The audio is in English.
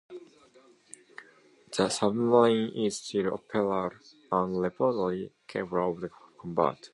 The submarine is still operational and reportedly capable of combat.